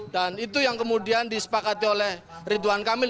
dan itu yang kemudian disepakati oleh ridwan kamil